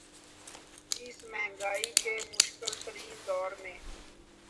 اس مہنگائی کے مشکل ترین دور میں